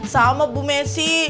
sama bu messi